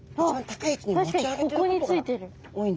確かにここについてる。